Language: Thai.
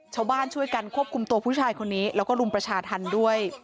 ชาวบ้านช่วยกันควบคุมตัวผู้ชายคนนี้แล้วก็รุมประชาธรรมด้วย